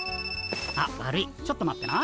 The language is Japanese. あっ悪いちょっと待ってな。